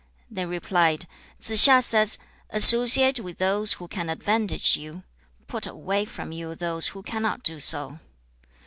They replied, 'Tsze hsia says: "Associate with those who can advantage you. Put away from you those who cannot do so."'